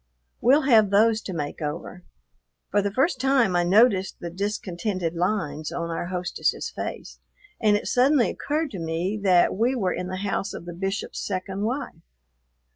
We'll have those to make over." For the first time I noticed the discontented lines on our hostess's face, and it suddenly occurred to me that we were in the house of the Bishop's second wife.